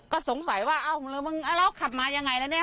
ก็สงสัยว่าเอ้ามึงเราขับมายังไงแล้วเนี่ย